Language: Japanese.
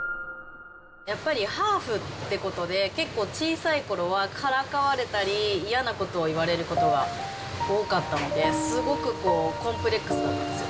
やっぱりハーフってことで、結構、小さいころはからかわれたり、嫌なことを言われることは多かったので、すごくコンプレックスだったんですよ。